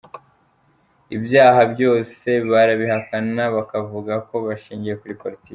Ibyaha byose barabihakana bakavuga ko bishingiye kuri politiki